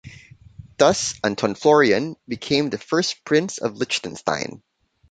Thus, Anton Florian became the first Prince of Liechtenstein.